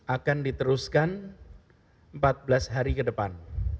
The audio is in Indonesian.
akan diteruskan empat belas hari ke depan